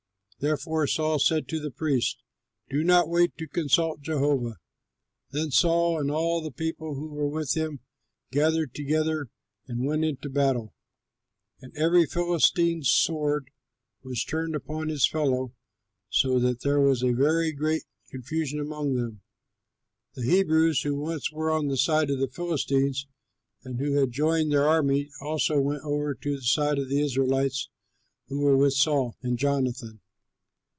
Therefore, Saul said to the priest, "Do not wait to consult Jehovah!" Then Saul and all the people that were with him gathered together and went into battle. And every Philistine's sword was turned upon his fellow, so that there was a very great confusion among them. The Hebrews who once were on the side of the Philistines and who had joined their army also went over to the side of the Israelites who were with Saul and Jonathan.